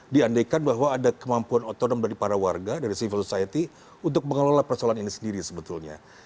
diandekan bahwa ada kemampuan otonom dari para warga dari civil society untuk mengelola persoalan ini sendiri sebetulnya